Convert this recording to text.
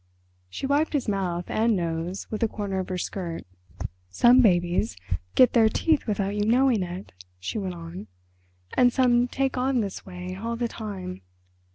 She wiped his mouth and nose with a corner of her skirt. "Some babies get their teeth without you knowing it," she went on, "and some take on this way all the time.